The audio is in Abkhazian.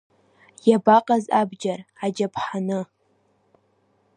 Иабаҟаз абџьар, аџьаԥҳаны.